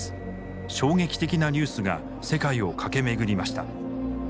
衝撃的なニュースが世界を駆け巡りました。